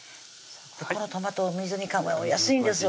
このトマトの水煮缶はお安いんですよ